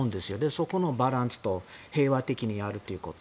そこのバランスと平和的にやるということ。